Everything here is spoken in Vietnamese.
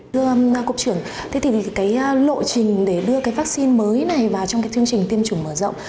thưa cục trưởng thế thì cái lộ trình để đưa cái vaccine mới này vào trong cái chương trình tiêm chủng mở rộng